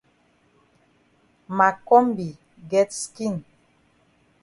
Ma kombi get skin.